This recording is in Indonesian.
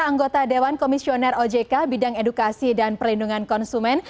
anggota dewan komisioner ojk bidang edukasi dan perlindungan konsumen